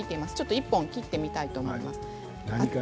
１本切ってみたいと思います。